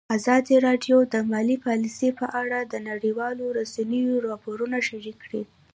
ازادي راډیو د مالي پالیسي په اړه د نړیوالو رسنیو راپورونه شریک کړي.